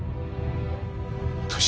年